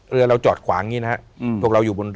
เรือเราจอดขวางนี้นะครับ